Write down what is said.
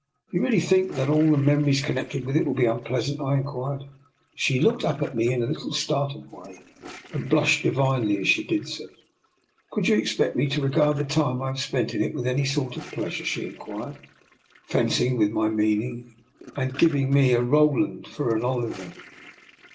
" Do you really think all the memories connected with it will be unpleasant? " I in quired. She looked up at me in a little startled way, and blushed divinely as she did so. " Could you expect me to regard the time I have spent in it with any sort of pleasure? " 2i6 DR. NIKOLA'S EXPERIMENT. she inquired, fencing with my meaning, and giving me a Roland for an Oliver.